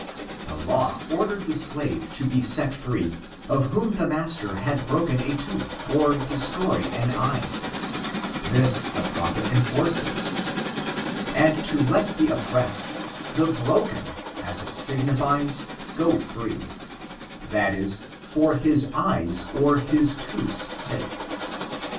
The law ordered the servant to be set free, of whom the mastw had broken a tooth, or destroyed an eye: this, the prophet enforces, "and to let the oppressed — the broken, as it ngnifies, go free : that is, for his eye's or his tooth'a take.